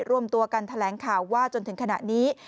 รวมตัวกันแถลงข่าวว่าจนถึงขณะนี้